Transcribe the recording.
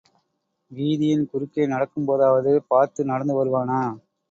வீதியின் குறுக்கே நடக்கும் போதாவது பார்த்து நடந்து வருவானா?